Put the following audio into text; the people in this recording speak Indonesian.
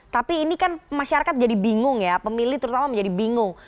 tapi ini kan masyarakat jadi bingung ya pemilih terutama menjadi bingung